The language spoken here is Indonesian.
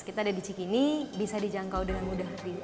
kita ada di cikini bisa dijangkau dengan mudah lewat kereta api